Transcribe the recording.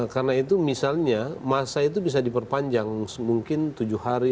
karena itu misalnya masa itu bisa diperpanjang mungkin tujuh hari empat hari